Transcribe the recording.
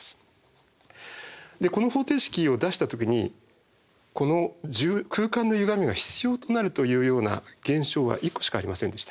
この方程式を出した時にこの空間のゆがみが必要となるというような現象は一個しかありませんでした。